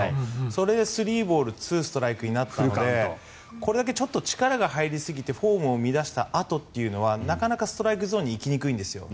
それで３ボール２ストライクになったのでこれだけ力が入りすぎてフォームを乱したあとというのはなかなかストライクゾーンに行きにくいんですよ。